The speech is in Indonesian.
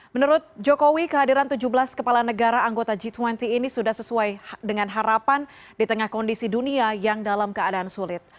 menurut jokowi kehadiran tujuh belas kepala negara anggota g dua puluh ini sudah sesuai dengan harapan di tengah kondisi dunia yang dalam keadaan sulit